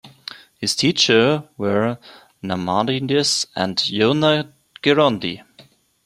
His teachers were Nahmanides and Yonah Gerondi.